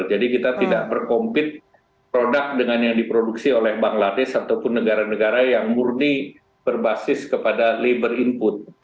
jadi kita tidak berkompit produk dengan yang diproduksi oleh bangladesh ataupun negara negara yang murni berbasis kepada labor input